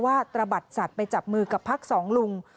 ตระบัดสัตว์ไปจับมือกับพักสองลุง